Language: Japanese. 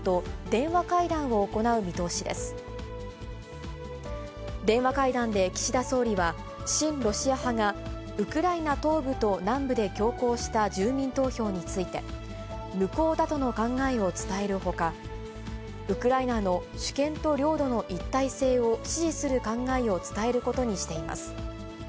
電話会談で岸田総理は、親ロシア派が、ウクライナ東部と南部で強行した住民投票について、無効だとの考えを伝えるほか、ウクライナの主権と領土の一体性を支持する考えを伝えることにしています。